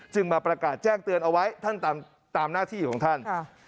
มาประกาศแจ้งเตือนเอาไว้ท่านตามหน้าที่ของท่าน